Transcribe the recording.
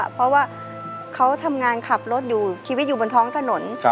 เพราะว่าเขาทำงานขับรถอยู่ชีวิตอยู่บนท้องถนน